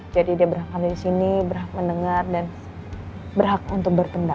jadi dia berhak kali disini berhak mendengar dan berhak untuk bertendang